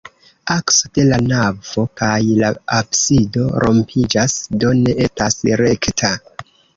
Akso de la navo kaj la absido rompiĝas, do ne estas rekta.